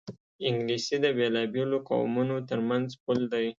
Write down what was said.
انګلیسي د بېلابېلو قومونو ترمنځ پُل دی